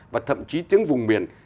và thậm chí tiếng vùng miền